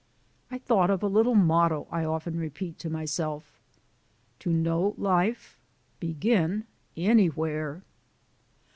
I thought of a little motto I often repeat to myself: TO KNOW LIFE, BEGIN ANYWHERE!